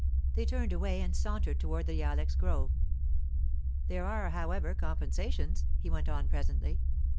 They turned away and sauntered toward the ilex grove. 'There are, however, compensations,' he went on presently.